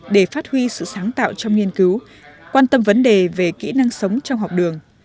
để phát huy sự sáng tạo trong nghiên cứu quan tâm vấn đề về kỹ năng sống trong học đường